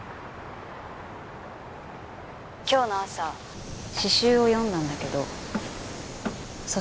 今日の朝詩集を読んだんだけどそ